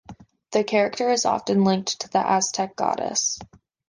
The character is often linked to the Aztec Goddess.